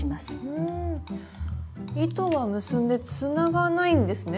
うん糸は結んでつながないんですね。